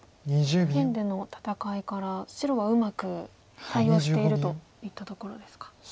右辺での戦いから白はうまく対応しているといったところですか。